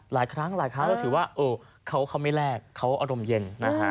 หลายครั้งก็ถือว่าเขาไม่แลกเขาอารมณ์เย็น